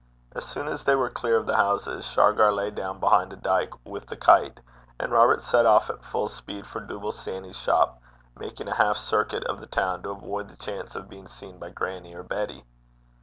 As soon as they were clear of the houses, Shargar lay down behind a dyke with the kite, and Robert set off at full speed for Dooble Sanny's shop, making a half circuit of the town to avoid the chance of being seen by grannie or Betty.